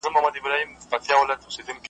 اسناد باید سم وساتل شي.